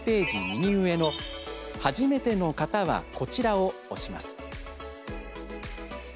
右上の「はじめての方はこちら」を押します。